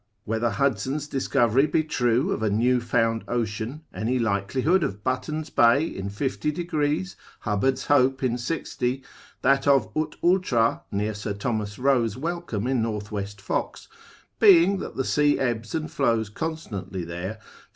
Whether Hudson's discovery be true of a new found ocean, any likelihood of Button's Bay in 50. degrees, Hubberd's Hope in 60. that of ut ultra near Sir Thomas Roe's welcome in Northwest Fox, being that the sea ebbs and flows constantly there 15.